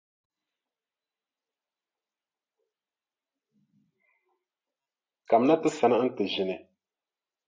Kamina ti sani nti ʒini.